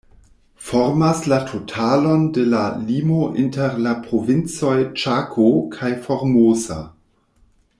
Formas la totalon de la limo inter la Provincoj Ĉako kaj Formosa.